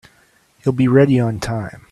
He'll be ready on time.